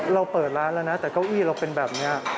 เราเปิดร้านแล้วนะแต่เก้าอี้เราเป็นแบบนี้